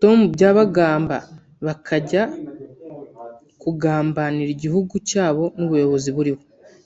Tom Byabagamba) bakajya kugambanira igihugu cyabo n’ubuyobozi buriho